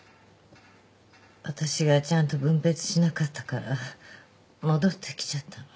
わたしがちゃんと分別しなかったから戻ってきちゃったの。